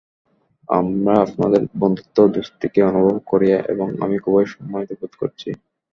আমরা আপনাদের বন্ধুত্ব, দোস্তিকে অনুভব করি এবং আমি খুবই সম্মানিত বোধ করছি।